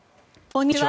こんにちは。